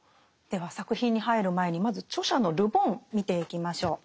では作品に入る前にまず著者のル・ボン見ていきましょう。